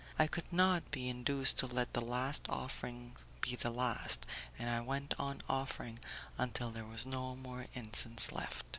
I could not be induced to let the last offering be the last, and I went on offering until there was no more incense left.